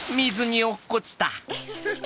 フフフ。